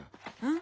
ん？